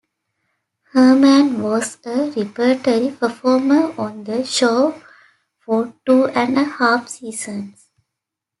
Herman was a repertory performer on the show for two and a half seasons.